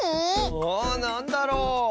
ああなんだろう？